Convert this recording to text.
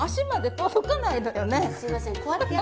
すいません。